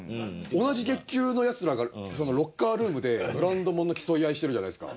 同じ月給のヤツらがロッカールームでブランド物の競い合いしてるじゃないですか。